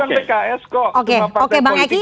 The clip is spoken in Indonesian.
saya berikan waktu kepada bang abalin